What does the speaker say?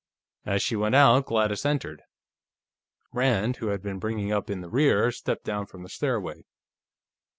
As she went out, Gladys entered; Rand, who had been bringing up in the rear, stepped down from the stairway.